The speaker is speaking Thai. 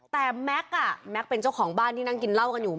แต่แม็กซ์แม็กซ์เป็นเจ้าของบ้านที่นั่งกินเหล้ากันอยู่